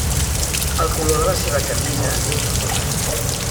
El color de la seva camisa és rosat.